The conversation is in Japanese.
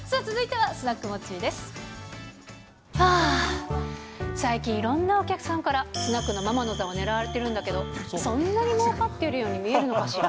はあ、最近いろんなお客さんから、スナックのママの座を狙われてるんだけど、そんなにもうかっているように見えるのかしら。